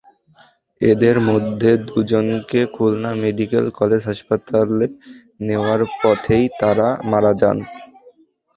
এঁদের মধ্যে দুজনকে খুলনা মেডিকেল কলেজ হাসপাতালে নেওয়ার পথেই তাঁরা মারা যান।